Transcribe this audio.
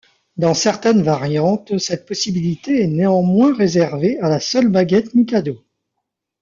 Dans certaines variantes, cette possibilité est néanmoins réservée à la seule baguette Mikado.